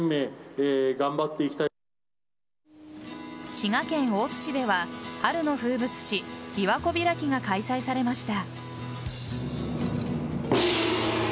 滋賀県大津市では春の風物詩、びわ湖開きが開催されました。